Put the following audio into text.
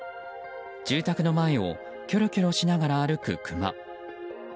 住宅の前をきょろきょろしながら歩くクマ。